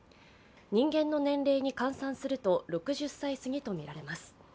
人間の年齢に換算すると６０歳すぎとみられます。